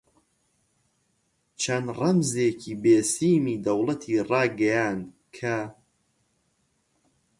چەند ڕەمزێکی بێسیمی دەوڵەتی ڕاگەیاند کە: